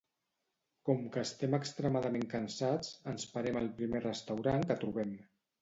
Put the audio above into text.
Com que estem extremadament cansats, ens parem al primer restaurant que trobem.